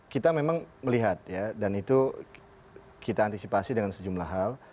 kita memang melihat ya dan itu kita antisipasi dengan sejumlah hal